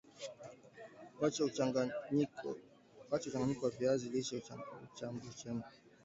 wacha mchanganyiko wa viazi lishe uchamke